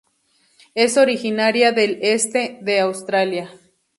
Es originaria del este de Australia.